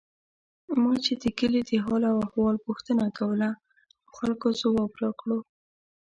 ما چې د کلي د حال او احوال پوښتنه کوله، نو خلکو ځواب راکړو.